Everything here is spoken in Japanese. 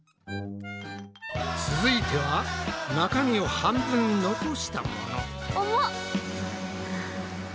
続いては中身を半分残したもの。